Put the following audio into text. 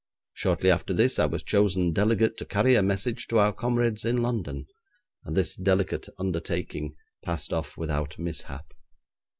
Shortly after this I was chosen delegate to carry a message to our comrades in London, and this delicate undertaking passed off without mishap.